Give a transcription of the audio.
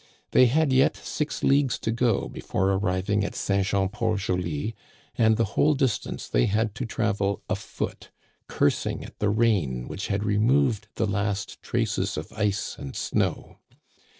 They had yet six leagues to go before arriv ing at St. Jean Port Joli, and the whole distance they had to travel afoot, cursing at the rain which had re moved the last traces of ice and snow.